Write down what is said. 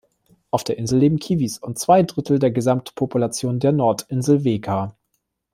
Auf der Insel leben Kiwis und zwei Drittel der Gesamtpopulation der Nordinsel-Weka.